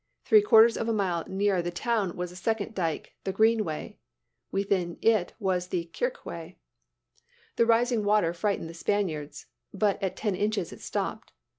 Three quarters of a mile nearer the town was a second dyke, the Greenway; within that was the Kirkway. The rising water frightened the Spaniards. But at ten inches, it stopped.